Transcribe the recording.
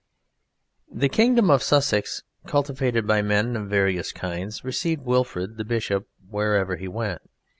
The kingdom of Sussex, cultivated by men of various kinds, received Wilfrid the Bishop wherever he went.